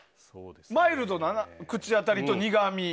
マイルドな口当たりと苦味。